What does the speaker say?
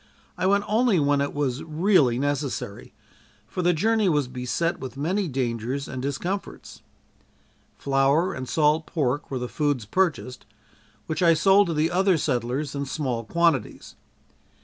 I went only when it was really necessary, for the journey was beset with many dangers and discomforts. Flour and salt pork were the foods purchased, which I sold to the other settlers in small quantities.